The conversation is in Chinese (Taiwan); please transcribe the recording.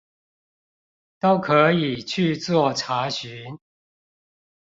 都可以去做查詢